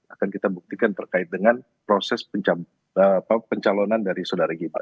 akan kita buktikan terkait dengan proses pencalonan dari saudara gibran